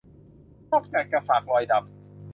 นอกจากจะฝากรอยดำ